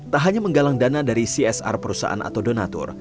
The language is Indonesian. tak hanya menggalang dana dari csr perusahaan atau donatur